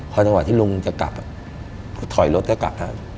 พอตอนที่ลุงจะกลับถอยรถก็กลับ